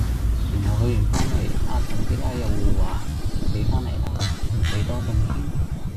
然後去完番嚟,阿陳師奶又會話：死番嚟啦，唔死多陣添?